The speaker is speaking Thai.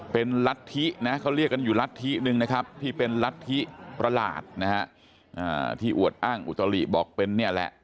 เป็นรัฐธินะเขาเรียกกันอยู่รัฐธินึงนะครับที่เป็นรัฐธิประหลาดนะฮะที่อวดอ้างอุตลิบอกเป็นเนี่ยแหละ